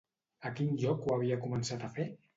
A quin lloc ho havia començat a fer?